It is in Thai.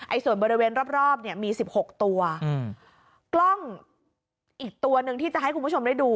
ส่วนบริเวณรอบรอบเนี่ยมีสิบหกตัวอืมกล้องอีกตัวหนึ่งที่จะให้คุณผู้ชมได้ดู